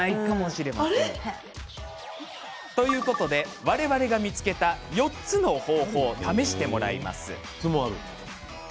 あれ？ということで、我々が見つけた４つの方法、試してもらいます。